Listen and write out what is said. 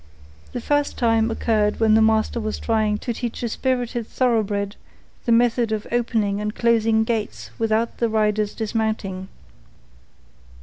The first time occurred when the master was trying to teach a spirited thoroughbred the method of opening and closing gates without the rider's dismounting.